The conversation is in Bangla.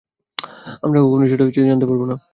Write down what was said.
আমরা কখনোই সেটা জানতে পারব না।